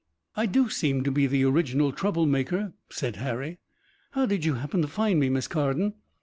"I do seem to be the original trouble maker," said Harry. "How did you happen to find me, Miss Carden?"